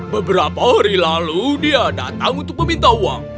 beberapa hari lalu dia datang untuk meminta uang